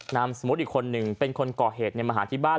นำสมมุติอีกคนนึงเป็นคนเกราะเหตุในมหาลที่บ้าน